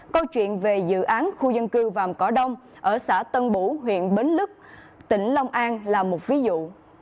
câu chuyện về dự án khu dân cư vàm cỏ đông ở xã tân bủ huyện bến lức tỉnh long an là một ví dụ